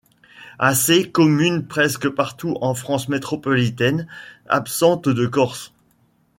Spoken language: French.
Assez commune presque partout en France métropolitaine, absente de Corse.